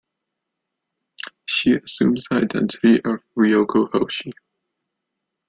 She assumes the identity of Ryoko Hoshi.